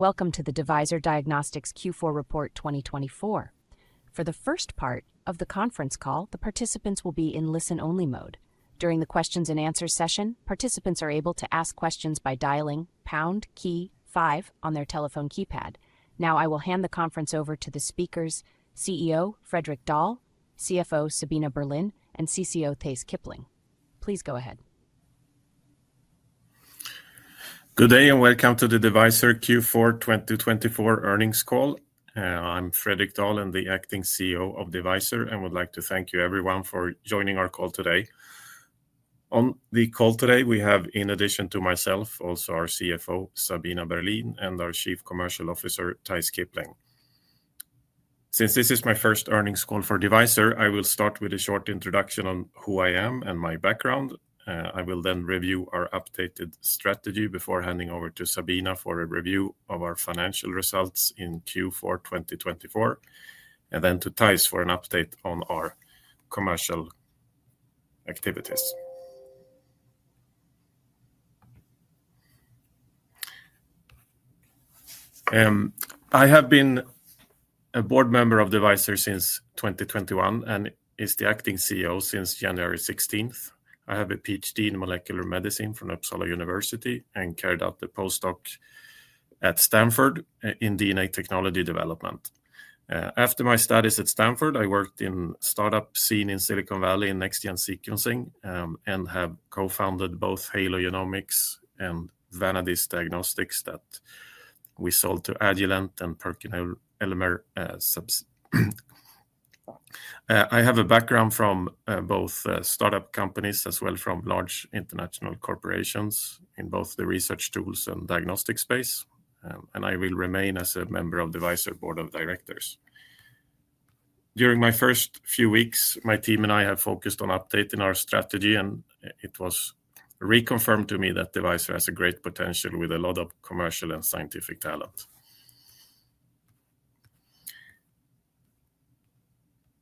Welcome to the Devyser Diagnostics Q4 Report 2024. For the first part of the conference call, the participants will be in listen-only mode. During the Q&A session, participants are able to ask questions by dialing #5 on their telephone keypad. Now, I will hand the conference over to the speakers: CEO Fredrik Dahl, CFO Sabina Berlin, and CCO Theis Kipling. Please go ahead. Good day and welcome to the Devyser Q4 2024 earnings call. I'm Fredrik Dahl, the acting CEO of Devyser, and would like to thank you everyone for joining our call today. On the call today, we have, in addition to myself, also our CFO Sabina Berlin and our Chief Commercial Officer Theis Kipling. Since this is my first earnings call for Devyser, I will start with a short introduction on who I am and my background. I will then review our updated strategy before handing over to Sabina for a review of our financial results in Q4 2024, and then to Theis for an update on our commercial activities. I have been a board member of Devyser since 2021 and am the acting CEO since January 16th. I have a PhD in molecular medicine from Uppsala University and carried out the postdoc at Stanford in DNA technology development. After my studies at Stanford, I worked in the startup scene in Silicon Valley in next-gen sequencing and have co-founded both Halo Genomics and Vanadis Diagnostics that we sold to Illumina and PerkinElmer. I have a background from both startup companies as well as from large international corporations in both the research tools and diagnostic space, and I will remain as a member of Devyser Board of Directors. During my first few weeks, my team and I have focused on updating our strategy, and it was reconfirmed to me that Devyser has a great potential with a lot of commercial and scientific talent.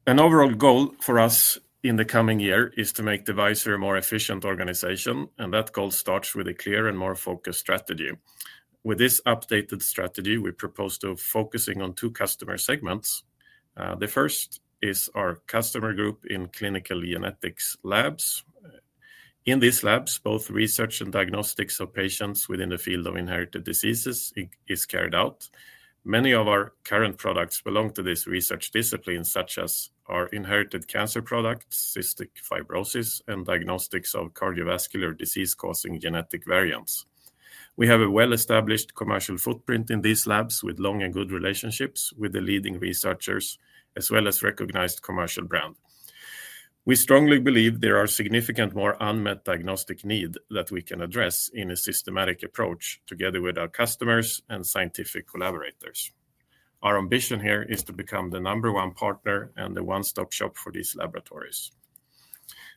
An overall goal for us in the coming year is to make Devyser a more efficient organization, and that goal starts with a clear and more focused strategy. With this updated strategy, we propose to focus on two customer segments. The first is our customer group in clinical genetics labs. In these labs, both research and diagnostics of patients within the field of inherited diseases is carried out. Many of our current products belong to this research discipline, such as our inherited cancer products, cystic fibrosis, and diagnostics of cardiovascular disease-causing genetic variants. We have a well-established commercial footprint in these labs, with long and good relationships with the leading researchers, as well as a recognized commercial brand. We strongly believe there are significant more unmet diagnostic needs that we can address in a systematic approach together with our customers and scientific collaborators. Our ambition here is to become the number one partner and the one-stop shop for these laboratories.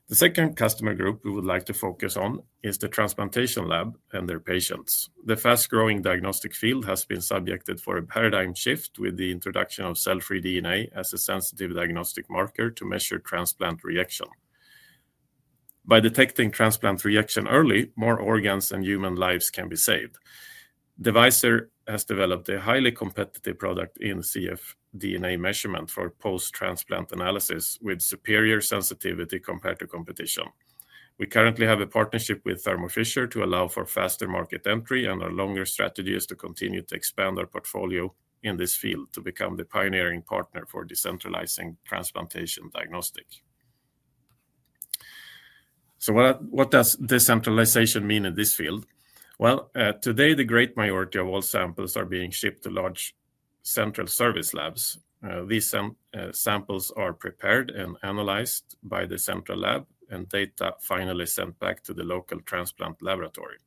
The second customer group we would like to focus on is the transplantation lab and their patients. The fast-growing diagnostic field has been subjected to a paradigm shift with the introduction of cell-free DNA as a sensitive diagnostic marker to measure transplant reaction. By detecting transplant reaction early, more organs and human lives can be saved. Devyser has developed a highly competitive product in cfDNA measurement for post-transplant analysis, with superior sensitivity compared to competition. We currently have a partnership with Thermo Fisher to allow for faster market entry, and our longer strategy is to continue to expand our portfolio in this field to become the pioneering partner for decentralizing transplantation diagnostics. What does decentralization mean in this field? Today, the great majority of all samples are being shipped to large central service labs. These samples are prepared and analyzed by the central lab, and data are finally sent back to the local transplant laboratory.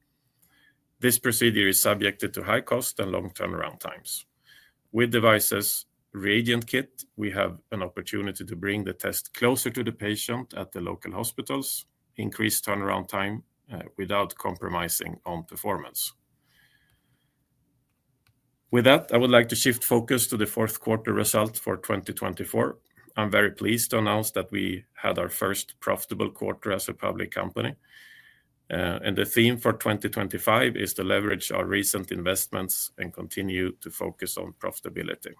This procedure is subjected to high cost and long turnaround times. With Devyser's reagent kit, we have an opportunity to bring the test closer to the patient at the local hospitals, increase turnaround time without compromising on performance. With that, I would like to shift focus to the fourth quarter results for 2024. I'm very pleased to announce that we had our first profitable quarter as a public company, and the theme for 2025 is to leverage our recent investments and continue to focus on profitability.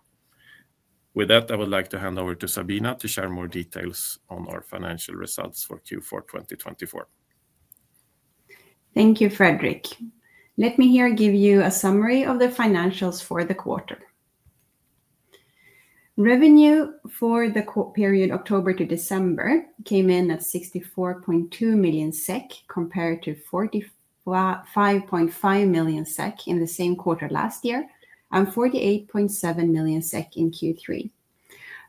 With that, I would like to hand over to Sabina to share more details on our financial results for Q4 2024. Thank you, Fredrik. Let me here give you a summary of the financials for the quarter. Revenue for the period October to December came in at 64.2 million SEK, compared to 45.5 million SEK in the same quarter last year and 48.7 million SEK in Q3.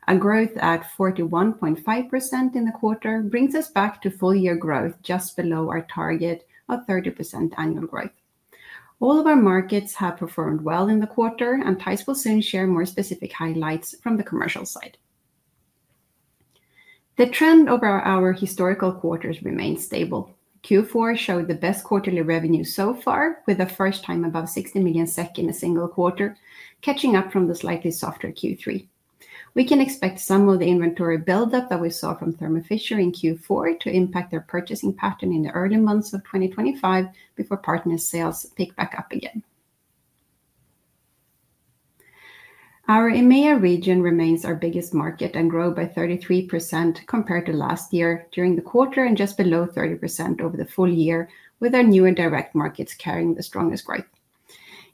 A growth at 41.5% in the quarter brings us back to full-year growth, just below our target of 30% annual growth. All of our markets have performed well in the quarter, and Theis will soon share more specific highlights from the commercial side. The trend over our historical quarters remains stable. Q4 showed the best quarterly revenue so far, with a first time above 60 million SEK in a single quarter, catching up from the slightly softer Q3. We can expect some of the inventory buildup that we saw from Thermo Fisher in Q4 to impact their purchasing pattern in the early months of 2025 before partner sales pick back up again. Our EMEA region remains our biggest market and grew by 33% compared to last year during the quarter and just below 30% over the full year, with our newer direct markets carrying the strongest growth.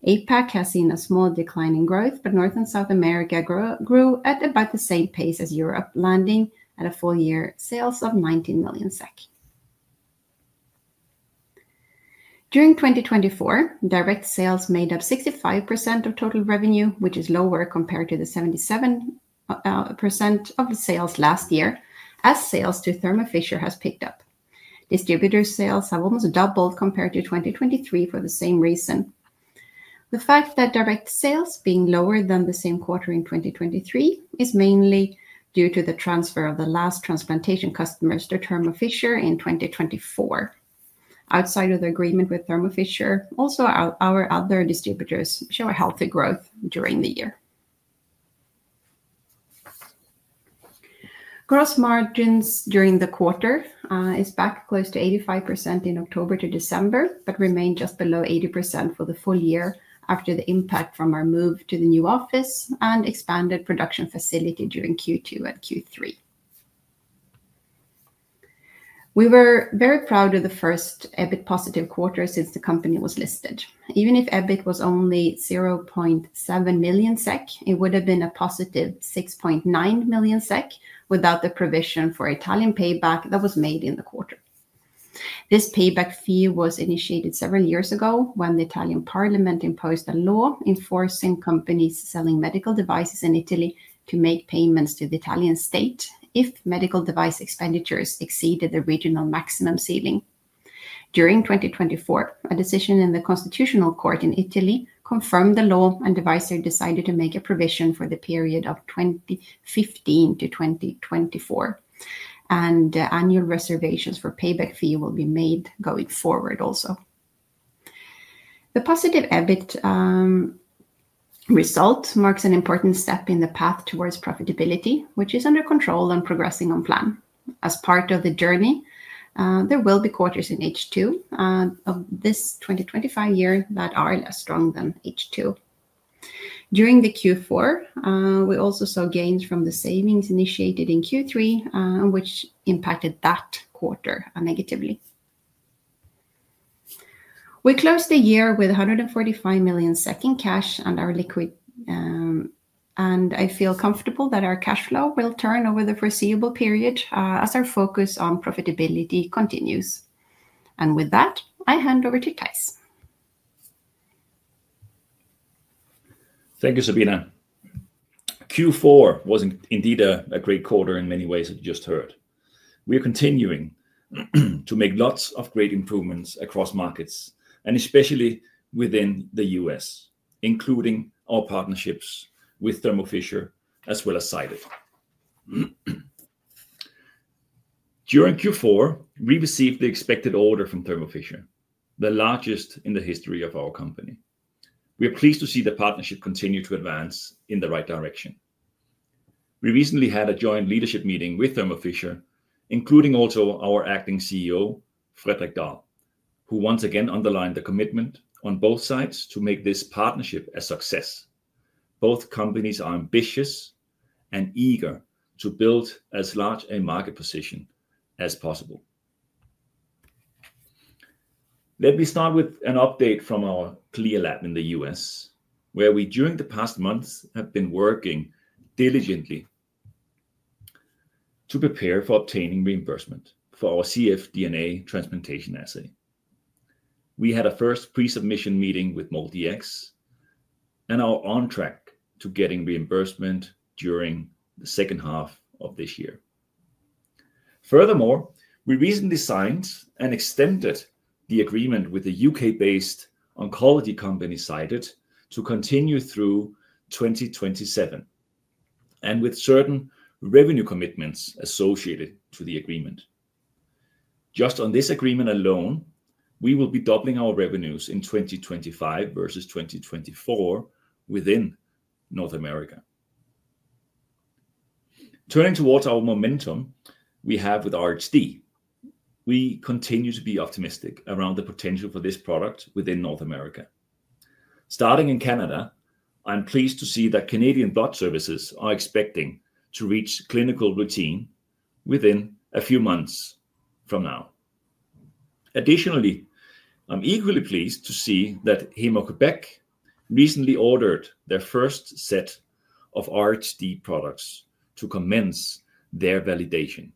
APAC has seen a small decline in growth, but North and South America grew at about the same pace as Europe, landing at a full-year sales of 19 million SEK. During 2024, direct sales made up 65% of total revenue, which is lower compared to the 77% of sales last year, as sales to Thermo Fisher have picked up. Distributor sales have almost doubled compared to 2023 for the same reason. The fact that direct sales being lower than the same quarter in 2023 is mainly due to the transfer of the last transplantation customers to Thermo Fisher in 2024. Outside of the agreement with Thermo Fisher, also our other distributors show a healthy growth during the year. Gross margins during the quarter are back close to 85% in October to December, but remain just below 80% for the full year after the impact from our move to the new office and expanded production facility during Q2 and Q3. We were very proud of the first EBIT positive quarter since the company was listed. Even if EBIT was only 0.7 million SEK, it would have been a positive 6.9 million SEK without the provision for Italian payback that was made in the quarter. This payback fee was initiated several years ago when the Italian Parliament imposed a law enforcing companies selling medical devices in Italy to make payments to the Italian state if medical device expenditures exceeded the regional maximum ceiling. During 2024, a decision in the Constitutional Court in Italy confirmed the law, and Devyser decided to make a provision for the period of 2015 to 2024, and annual reservations for payback fee will be made going forward also. The positive EBIT result marks an important step in the path towards profitability, which is under control and progressing on plan. As part of the journey, there will be quarters in H2 of this 2025 year that are less strong than H2. During the Q4, we also saw gains from the savings initiated in Q3, which impacted that quarter negatively. We closed the year with 145 million in cash and our liquid, and I feel comfortable that our cash flow will turn over the foreseeable period as our focus on profitability continues. With that, I hand over to Theis. Thank you, Sabina. Q4 was indeed a great quarter in many ways that you just heard. We are continuing to make lots of great improvements across markets, and especially within the U.S., including our partnerships with Thermo Fisher as well as Cyted. During Q4, we received the expected order from Thermo Fisher, the largest in the history of our company. We are pleased to see the partnership continue to advance in the right direction. We recently had a joint leadership meeting with Thermo Fisher, including also our Acting CEO, Fredrik Dahl, who once again underlined the commitment on both sides to make this partnership a success. Both companies are ambitious and eager to build as large a market position as possible. Let me start with an update from our CLIA lab in the U.S., where we during the past months have been working diligently to prepare for obtaining reimbursement for our cfDNA transplantation assay. We had a first pre-submission meeting with MolDX and are on track to getting reimbursement during the second half of this year. Furthermore, we recently signed and extended the agreement with the U.K.-based oncology company Cyted to continue through 2027, and with certain revenue commitments associated to the agreement. Just on this agreement alone, we will be doubling our revenues in 2025 versus 2024 within North America. Turning towards our momentum we have with RHD, we continue to be optimistic around the potential for this product within North America. Starting in Canada, I'm pleased to see that Canadian Blood Services are expecting to reach clinical routine within a few months from now. Additionally, I'm equally pleased to see that Héma-Québec recently ordered their first set of RHD products to commence their validation.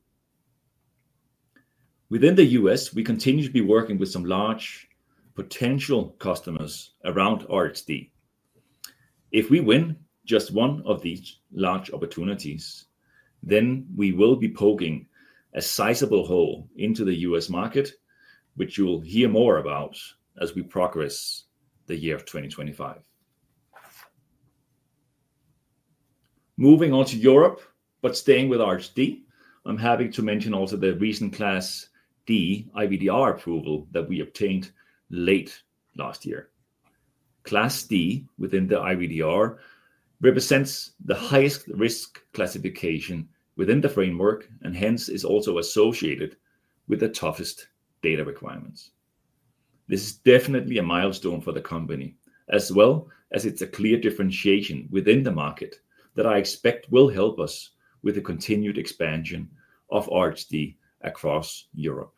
Within the US, we continue to be working with some large potential customers around RHD. If we win just one of these large opportunities, then we will be poking a sizable hole into the U.S. market, which you'll hear more about as we progress the year of 2025. Moving on to Europe, but staying with RHD, I'm happy to mention also the recent Class D IVDR approval that we obtained late last year. Class D within the IVDR represents the highest risk classification within the framework and hence is also associated with the toughest data requirements. This is definitely a milestone for the company, as well as it's a clear differentiation within the market that I expect will help us with the continued expansion of RHD across Europe.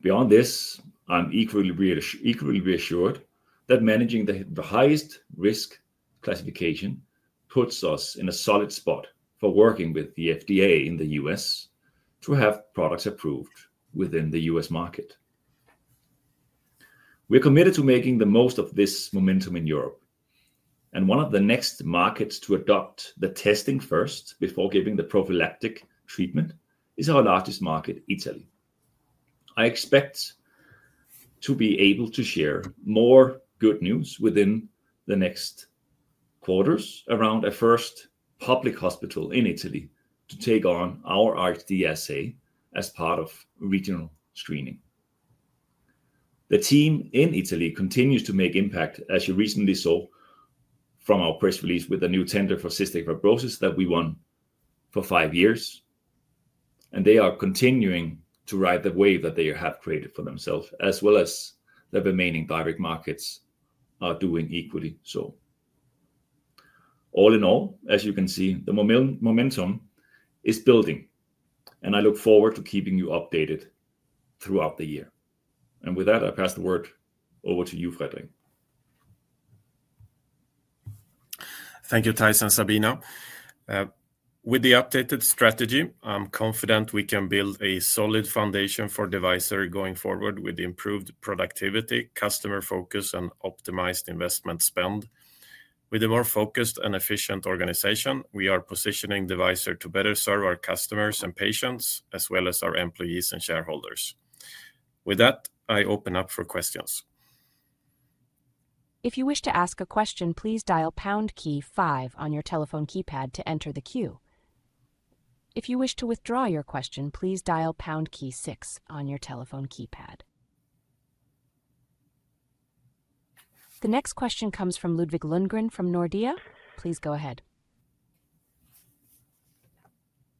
Beyond this, I'm equally reassured that managing the highest risk classification puts us in a solid spot for working with the FDA in the U.S. to have products approved within the U.S. market. We're committed to making the most of this momentum in Europe, and one of the next markets to adopt the testing first before giving the prophylactic treatment is our largest market, Italy. I expect to be able to share more good news within the next quarters around a first public hospital in Italy to take on our RHD assay as part of regional screening. The team in Italy continues to make impact, as you recently saw from our press release with the new tender for cystic fibrosis that we won for five years, and they are continuing to ride the wave that they have created for themselves, as well as the remaining direct markets are doing equally so. All in all, as you can see, the momentum is building, and I look forward to keeping you updated throughout the year. With that, I pass the word over to you, Fredrik. Thank you, Theis and Sabina. With the updated strategy, I'm confident we can build a solid foundation for Devyser going forward with improved productivity, customer focus, and optimized investment spend. With a more focused and efficient organization, we are positioning Devyser to better serve our customers and patients, as well as our employees and shareholders. With that, I open up for questions. If you wish to ask a question, please dial pound key five on your telephone keypad to enter the queue. If you wish to withdraw your question, please dial pound key six on your telephone keypad. The next question comes from Ludvig Lundgren from Nordea. Please go ahead.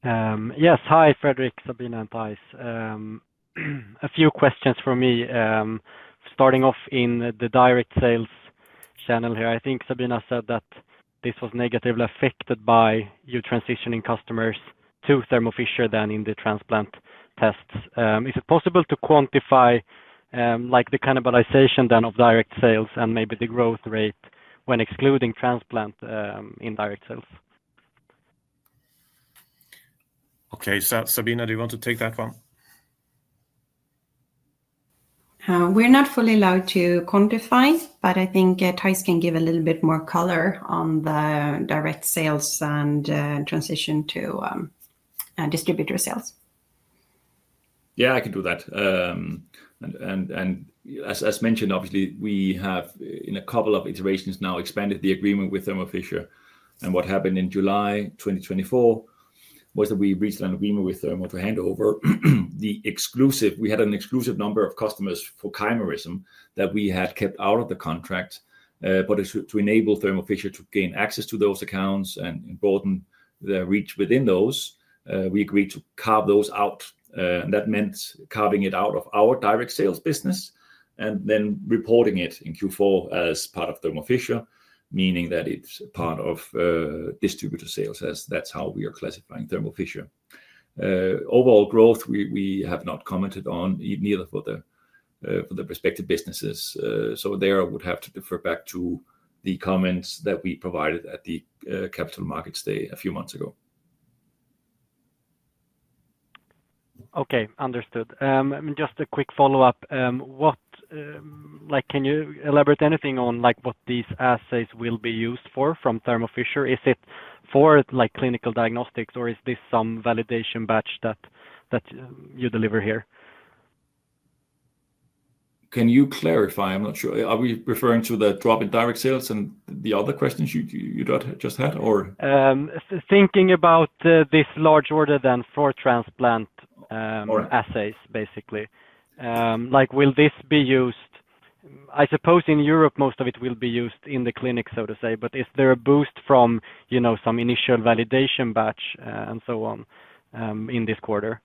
Yes, hi, Fredrik, Sabina, and Theis. A few questions for me. Starting off in the direct sales channel here, I think Sabina said that this was negatively affected by you transitioning customers to Thermo Fisher than in the transplant tests. Is it possible to quantify the cannibalization then of direct sales and maybe the growth rate when excluding transplant indirect sales? Okay, Sabina, do you want to take that one? We're not fully allowed to quantify, but I think Theis can give a little bit more color on the direct sales and transition to distributor sales. Yeah, I can do that. As mentioned, obviously, we have, in a couple of iterations now, expanded the agreement with Thermo Fisher. What happened in July 2024 was that we reached an agreement with Thermo to hand over the exclusive—we had an exclusive number of customers for chimerism that we had kept out of the contract. To enable Thermo Fisher to gain access to those accounts and broaden the reach within those, we agreed to carve those out. That meant carving it out of our direct sales business and then reporting it in Q4 as part of Thermo Fisher, meaning that it's part of distributor sales, as that's how we are classifying Thermo Fisher. Overall growth, we have not commented on, neither for the respective businesses. I would have to defer back to the comments that we provided at the Capital Markets Day a few months ago. Okay, understood. Just a quick follow-up. Can you elaborate anything on what these assays will be used for from Thermo Fisher? Is it for clinical diagnostics, or is this some validation batch that you deliver here? Can you clarify? I'm not sure. Are we referring to the drop in direct sales and the other questions you just had, or? Thinking about this large order then for transplant assays, basically. Will this be used? I suppose in Europe, most of it will be used in the clinic, so to say, but is there a boost from some initial validation batch and so on in this quarter?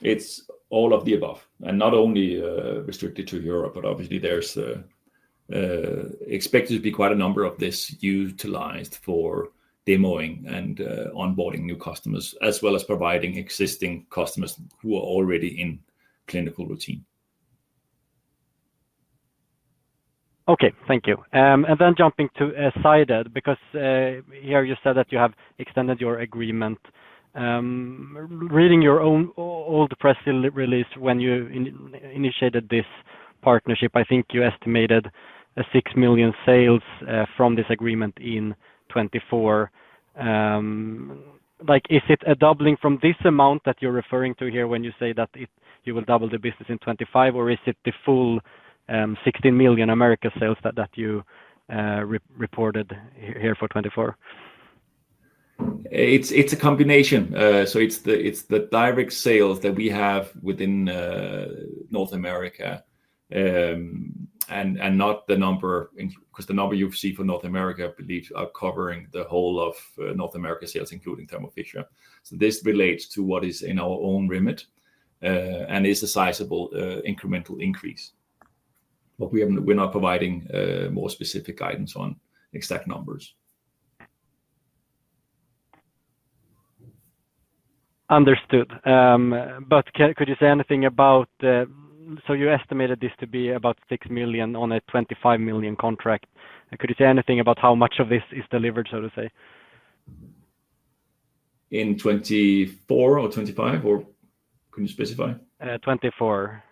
It's all of the above, and not only restricted to Europe, but obviously, there's expected to be quite a number of this utilized for demoing and onboarding new customers, as well as providing existing customers who are already in clinical routine. Okay, thank you. Jumping to Cyted, because here you said that you have extended your agreement. Reading your own old press release when you initiated this partnership, I think you estimated 6 million sales from this agreement in 2024. Is it a doubling from this amount that you're referring to here when you say that you will double the business in 2025, or is it the full 16 million America sales that you reported here for 2024? It's a combination. It's the direct sales that we have within North America and not the number, because the number you've seen for North America, I believe, are covering the whole of North America sales, including Thermo Fisher. This relates to what is in our own remit and is a sizable incremental increase. We're not providing more specific guidance on exact numbers. Understood. Could you say anything about—so you estimated this to be about 6 million on a 25 million contract? Could you say anything about how much of this is delivered, so to say? In 2024 or 2025, or can you specify? 2024.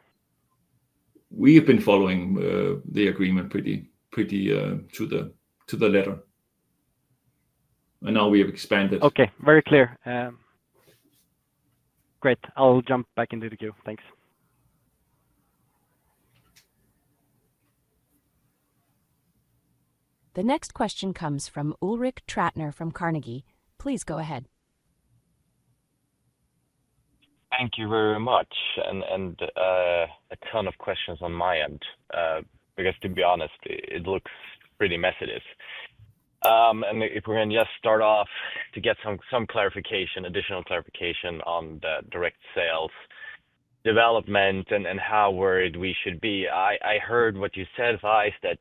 We have been following the agreement pretty to the letter. Now we have expanded. Okay, very clear. Great. I'll jump back into the queue. Thanks. The next question comes from Ulrik Trattner from Carnegie. Please go ahead. Thank you very much. A ton of questions on my end, because to be honest, it looks pretty messy. If we can just start off to get some clarification, additional clarification on the direct sales development and how worried we should be. I heard what you said, Theis, that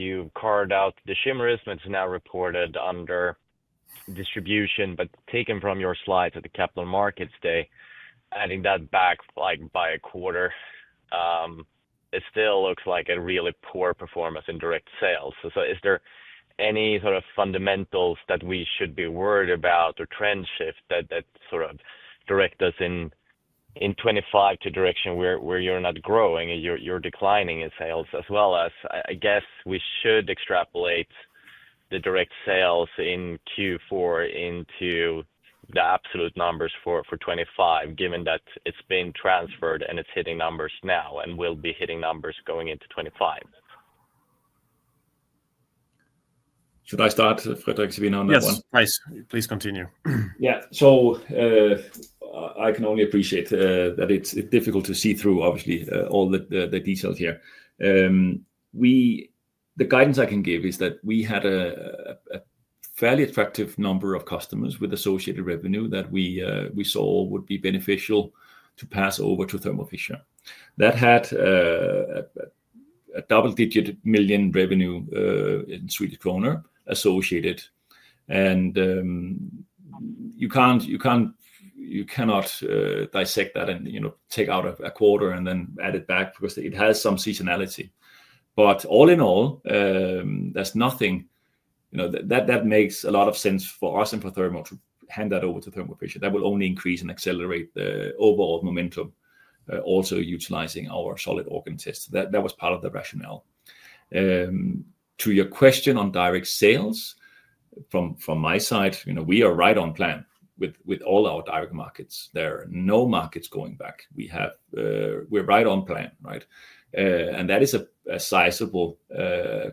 you carved out the chimerism that's now reported under distribution, but taken from your slides at the Capital Markets Day, adding that back by a quarter, it still looks like a really poor performance in direct sales. Is there any sort of fundamentals that we should be worried about or trend shift that sort of direct us in 2025 to a direction where you're not growing, you're declining in sales, as well as, I guess, we should extrapolate the direct sales in Q4 into the absolute numbers for 2025, given that it's been transferred and it's hitting numbers now and will be hitting numbers going into 2025? Should I start, Fredrik, Sabina, on that one? Yes, Theis. Please continue. Yeah. I can only appreciate that it's difficult to see through, obviously, all the details here. The guidance I can give is that we had a fairly attractive number of customers with associated revenue that we saw would be beneficial to pass over to Thermo Fisher. That had a double-digit million revenue in SEK associated. You cannot dissect that and take out a quarter and then add it back because it has some seasonality. All in all, there's nothing that makes a lot of sense for us and for Thermo to hand that over to Thermo Fisher. That will only increase and accelerate the overall momentum, also utilizing our solid organ tests. That was part of the rationale. To your question on direct sales, from my side, we are right on plan with all our direct markets. There are no markets going back. We're right on plan, right? That is a sizable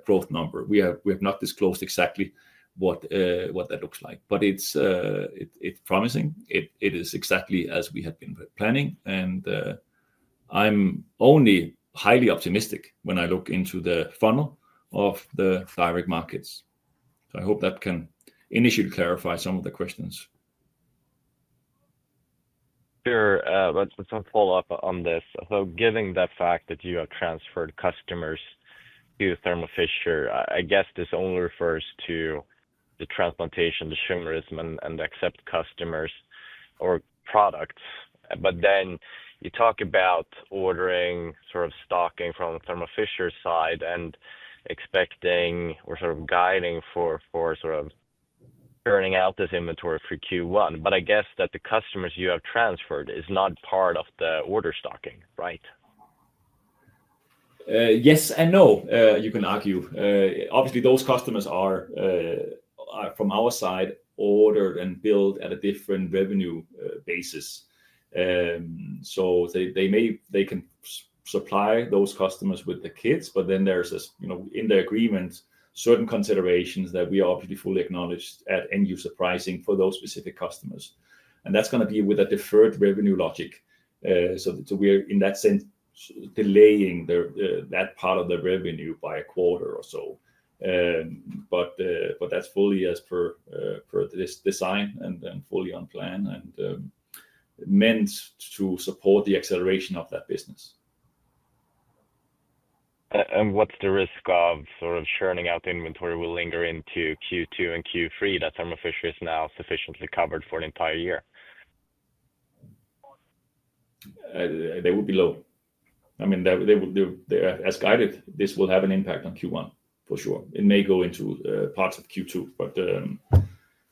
growth number. We have not disclosed exactly what that looks like, but it's promising. It is exactly as we had been planning. I'm only highly optimistic when I look into the funnel of the direct markets. I hope that can initially clarify some of the questions. Sure. Just a follow-up on this. Given the fact that you have transferred customers to Thermo Fisher, I guess this only refers to the transplantation, the chimerism, and accept customers or products. Then you talk about ordering sort of stocking from Thermo Fisher's side and expecting or sort of guiding for sort of turning out this inventory for Q1. I guess that the customers you have transferred are not part of the order stocking, right? Yes and no, you can argue. Obviously, those customers are, from our side, ordered and billed at a different revenue basis. They can supply those customers with the kits, but then there is, in the agreement, certain considerations that we obviously fully acknowledge at end-user pricing for those specific customers. That is going to be with a deferred revenue logic. We are, in that sense, delaying that part of the revenue by a quarter or so. That is fully as per this design and fully on plan and meant to support the acceleration of that business. What's the risk of sort of churning out the inventory will linger into Q2 and Q3 that Thermo Fisher is now sufficiently covered for an entire year? They would be low. I mean, as guided, this will have an impact on Q1, for sure. It may go into parts of Q2, but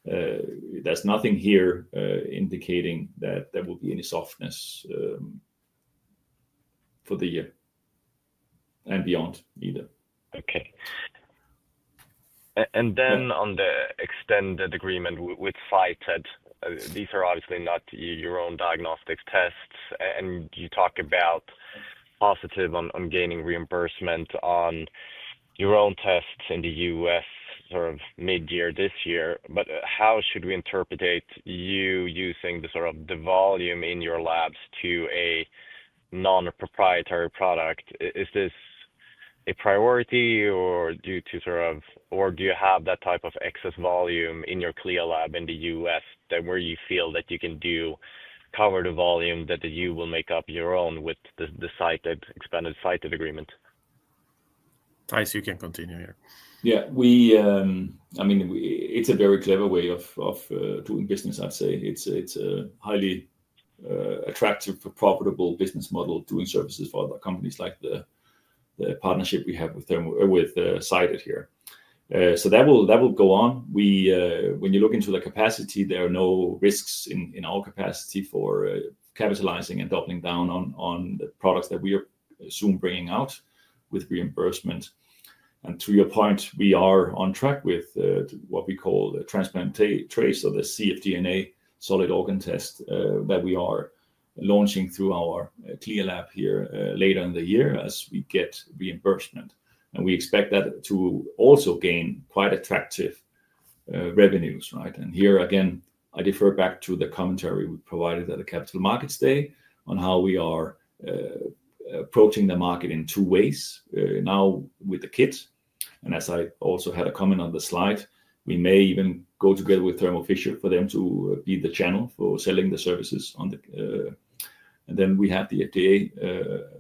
there is nothing here indicating that there will be any softness for the year and beyond either. Okay. On the extended agreement with Cyted, these are obviously not your own diagnostic tests. You talk about positive on gaining reimbursement on your own tests in the U.S. sort of mid-year this year. How should we interpret you using the sort of the volume in your labs to a non-proprietary product? Is this a priority, or do you have that type of excess volume in your CLIA lab in the U.S. where you feel that you can cover the volume that you will make up your own with the Cyted expanded Cyted agreement? Theis, you can continue here. Yeah. I mean, it's a very clever way of doing business, I'd say. It's a highly attractive, profitable business model doing services for other companies like the partnership we have with Cyted here. That will go on. When you look into the capacity, there are no risks in our capacity for capitalizing and doubling down on the products that we are soon bringing out with reimbursement. To your point, we are on track with what we call the transplant trace or the cfDNA solid organ test that we are launching through our CLIA lab here later in the year as we get reimbursement. We expect that to also gain quite attractive revenues, right? Here, again, I defer back to the commentary we provided at the Capital Markets Day on how we are approaching the market in two ways. Now with the kits, and as I also had a comment on the slide, we may even go together with Thermo Fisher for them to be the channel for selling the services. We have the FDA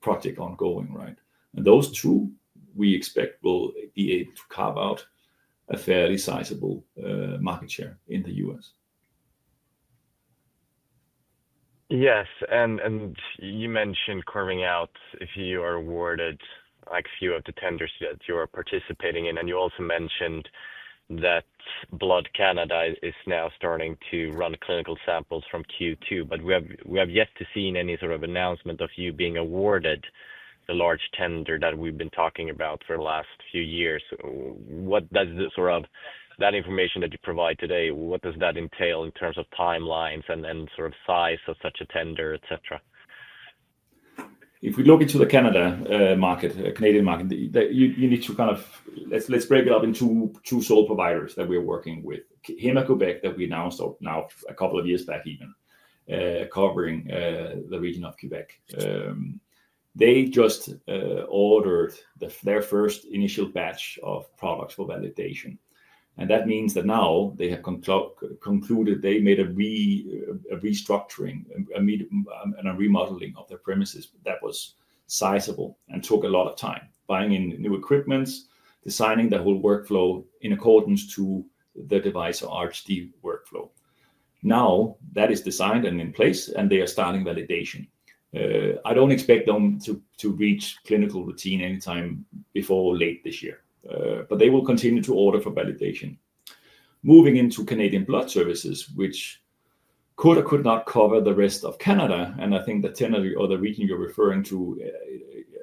project ongoing, right? Those two, we expect will be able to carve out a fairly sizable market share in the US. Yes. You mentioned carving out if you are awarded a few of the tenders that you are participating in. You also mentioned that Canadian Blood Services is now starting to run clinical samples from Q2. We have yet to see any sort of announcement of you being awarded the large tender that we have been talking about for the last few years. What does that information that you provide today entail in terms of timelines and sort of size of such a tender, etc.? If we look into the Canada market, Canadian market, you need to kind of let's break it up in two sole providers that we are working with. Héma-Québec, that we announced now a couple of years back even, covering the region of Québec. They just ordered their first initial batch of products for validation. That means that now they have concluded they made a restructuring and a remodeling of their premises that was sizable and took a lot of time, buying in new equipment, designing the whole workflow in accordance to the device or RHD workflow. Now that is designed and in place, and they are starting validation. I don't expect them to reach clinical routine anytime before late this year. They will continue to order for validation. Moving into Canadian Blood Services, which could or could not cover the rest of Canada. I think the tender or the region you're referring to,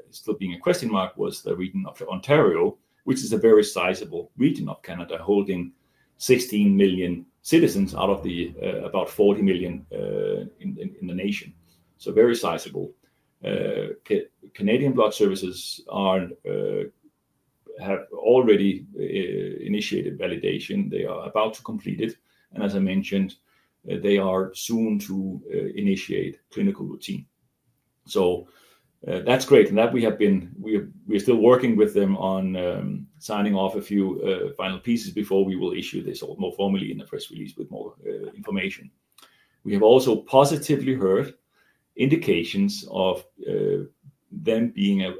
still being a question mark, was the region of Ontario, which is a very sizable region of Canada, holding 16 million citizens out of the about 40 million in the nation. Very sizable. Canadian Blood Services have already initiated validation. They are about to complete it. As I mentioned, they are soon to initiate clinical routine. That's great. We are still working with them on signing off a few final pieces before we will issue this more formally in the press release with more information. We have also positively heard indications of them being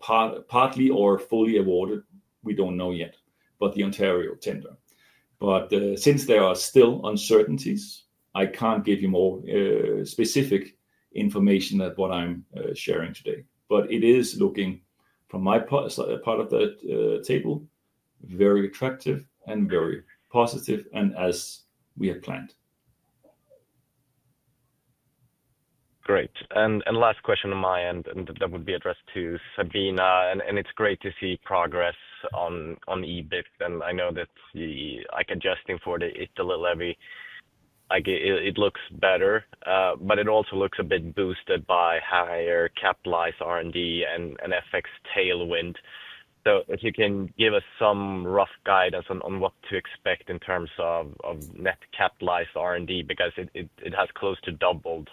partly or fully awarded. We don't know yet, the Ontario tender. Since there are still uncertainties, I can't give you more specific information than what I'm sharing today. It is looking, from my part of the table, very attractive and very positive and as we have planned. Great. Last question on my end, and that would be addressed to Sabina. It's great to see progress on EBIT. I know that I can just infer that it's a little heavy. It looks better, but it also looks a bit boosted by higher capitalized R&D and FX tailwind. If you can give us some rough guidance on what to expect in terms of net capitalized R&D, because it has close to doubled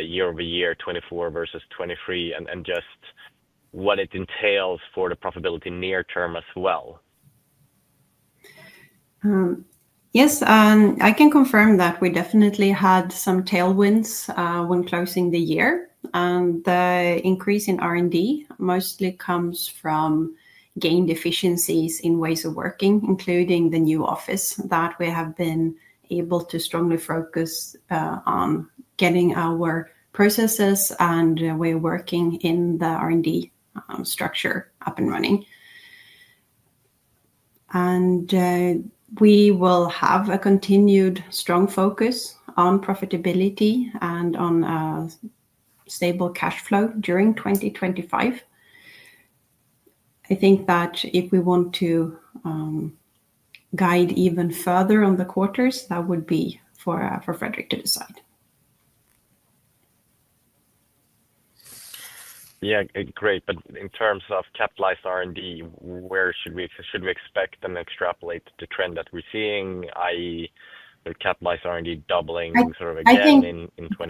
year-over-year, 2024 versus 2023, and just what it entails for the profitability near-term as well. Yes. I can confirm that we definitely had some tailwinds when closing the year. The increase in R&D mostly comes from gained efficiencies in ways of working, including the new office that we have been able to strongly focus on getting our processes, and we are working in the R&D structure up and running. We will have a continued strong focus on profitability and on stable cash flow during 2025. I think that if we want to guide even further on the quarters, that would be for Fredrik to decide. Yeah. Great. In terms of capitalized R&D, where should we expect and extrapolate the trend that we're seeing, i.e., the capitalized R&D doubling sort of again in 2024?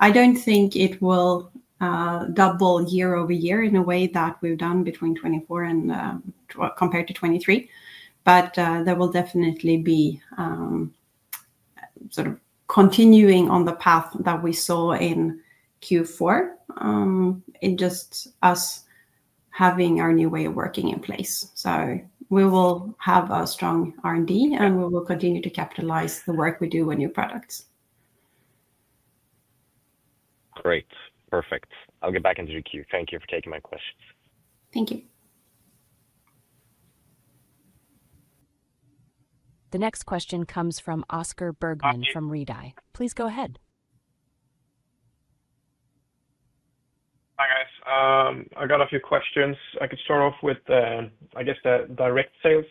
I don't think it will double year-over-year in a way that we've done between 2024 and compared to 2023. There will definitely be sort of continuing on the path that we saw in Q4, just us having our new way of working in place. We will have a strong R&D, and we will continue to capitalize the work we do on new products. Great. Perfect. I'll get back into the queue. Thank you for taking my questions. Thank you. The next question comes from Oscar Bergman from Redeye. Please go ahead. Hi, guys. I got a few questions. I could start off with, I guess, the direct sales.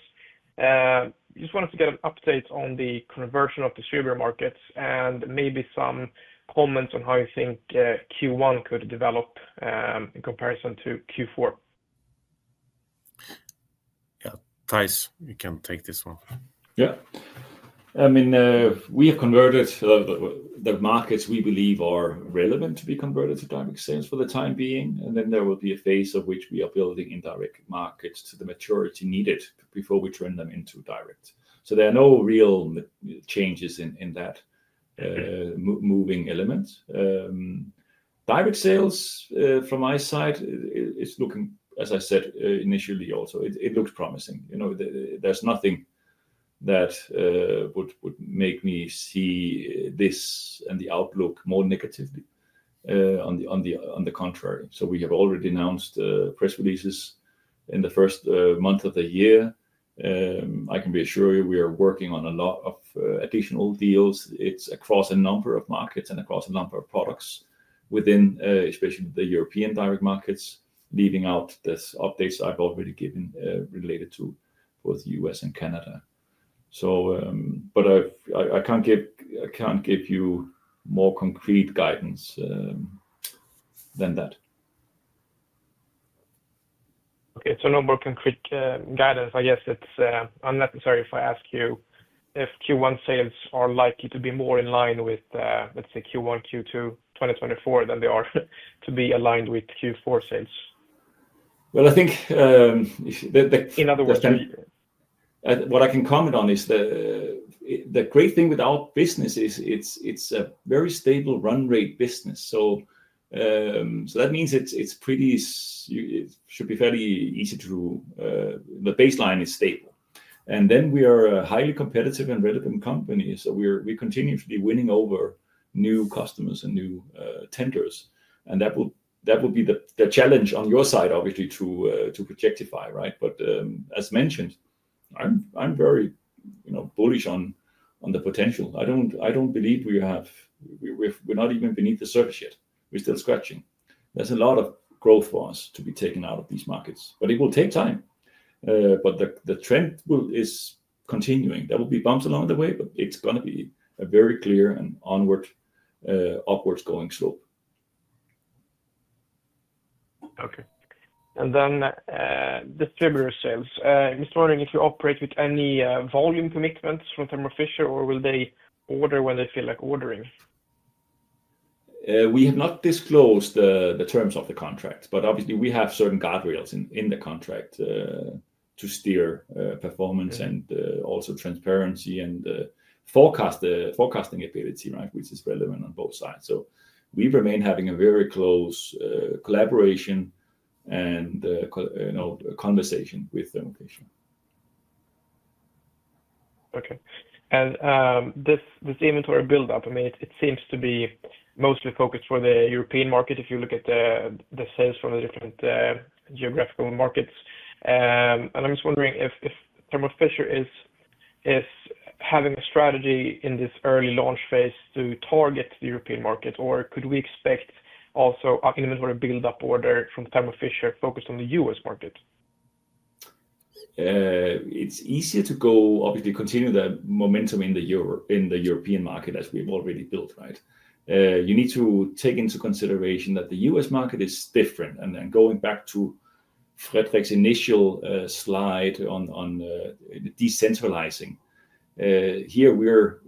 I just wanted to get an update on the conversion of distributor markets and maybe some comments on how you think Q1 could develop in comparison to Q4. Yeah. Theis, you can take this one. Yeah. I mean, we have converted the markets we believe are relevant to be converted to direct sales for the time being. There will be a phase of which we are building indirect markets to the maturity needed before we turn them into direct. There are no real changes in that moving element. Direct sales from my side is looking, as I said initially also, it looks promising. There's nothing that would make me see this and the outlook more negatively. On the contrary. We have already announced press releases in the first month of the year. I can assure you we are working on a lot of additional deals. It's across a number of markets and across a number of products within, especially the European direct markets, leaving out these updates I've already given related to both the U.S. and Canada. I can't give you more concrete guidance than that. Okay. No more concrete guidance. I guess it's unnecessary if I ask you if Q1 sales are likely to be more in line with, let's say, Q1, Q2, 2024 than they are to be aligned with Q4 sales. I think. In other words. What I can comment on is the great thing with our business is it's a very stable run rate business. That means it should be fairly easy to the baseline is stable. We are a highly competitive and relevant company. We are continuously winning over new customers and new tenders. That will be the challenge on your side, obviously, to projectify, right? As mentioned, I'm very bullish on the potential. I don't believe we have—we're not even beneath the surface yet. We're still scratching. There's a lot of growth for us to be taken out of these markets. It will take time. The trend is continuing. There will be bumps along the way, but it's going to be a very clear and upwards-going slope. Okay. Distributor sales. I'm just wondering if you operate with any volume commitments from Thermo Fisher, or will they order when they feel like ordering? We have not disclosed the terms of the contract. Obviously, we have certain guardrails in the contract to steer performance and also transparency and forecasting ability, which is relevant on both sides. We remain having a very close collaboration and conversation with Thermo Fisher. Okay. This inventory buildup, I mean, it seems to be mostly focused for the European market if you look at the sales from the different geographical markets. I am just wondering if Thermo Fisher is having a strategy in this early launch phase to target the European market, or could we expect also an inventory buildup order from Thermo Fisher focused on the U.S. market? It's easier to go, obviously, continue the momentum in the European market as we've already built, right? You need to take into consideration that the U.S. market is different. Going back to Fredrik's initial slide on decentralizing, here we're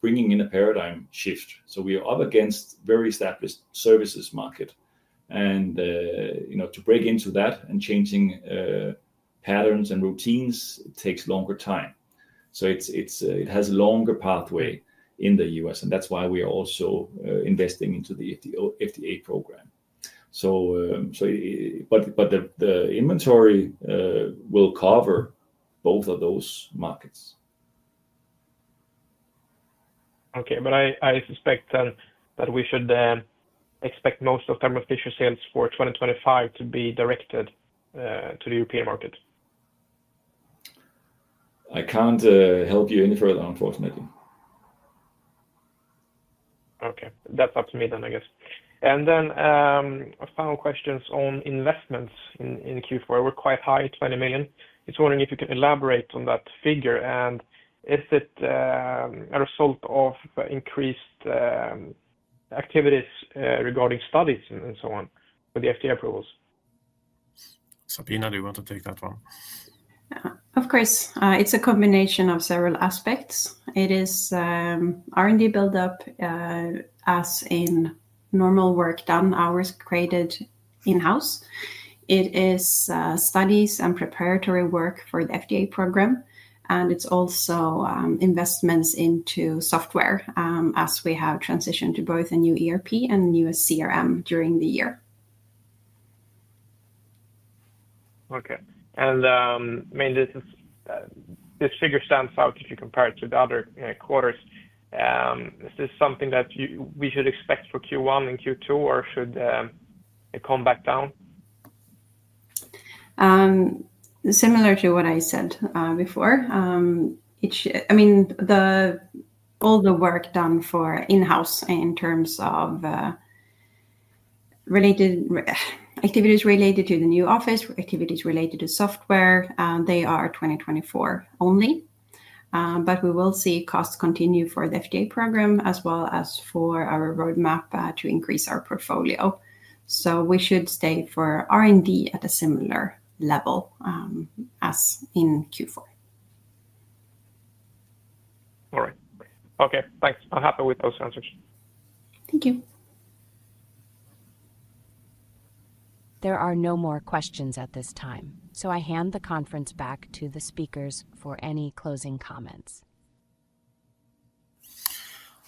bringing in a paradigm shift. We are up against a very established services market. To break into that and changing patterns and routines, it takes longer time. It has a longer pathway in the U.S. That is why we are also investing into the FDA program. The inventory will cover both of those markets. Okay. I suspect that we should expect most of Thermo Fisher's sales for 2025 to be directed to the European market. I can't help you any further, unfortunately. Okay. That is up to me then, I guess. Final questions on investments in Q4. We are quite high at 20 million. Just wondering if you can elaborate on that figure. Is it a result of increased activities regarding studies and so on with the FDA approvals? Sabina, do you want to take that one? Of course. It's a combination of several aspects. It is R&D buildup as in normal work done, hours created in-house. It is studies and preparatory work for the FDA program. It is also investments into software as we have transitioned to both a new ERP and a new CRM during the year. Okay. I mean, this figure stands out if you compare it to the other quarters. Is this something that we should expect for Q1 and Q2, or should it come back down? Similar to what I said before. I mean, all the work done for in-house in terms of activities related to the new office, activities related to software, they are 2024 only. We will see costs continue for the FDA program as well as for our roadmap to increase our portfolio. We should stay for R&D at a similar level as in Q4. All right. Okay. Thanks. I'm happy with those answers. Thank you. There are no more questions at this time. I hand the conference back to the speakers for any closing comments.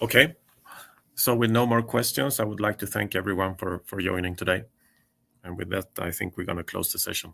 Okay. With no more questions, I would like to thank everyone for joining today. With that, I think we're going to close the session.